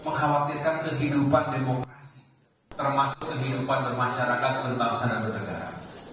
mengkhawatirkan kehidupan demokrasi termasuk kehidupan bermasyarakat tentang sana bertegara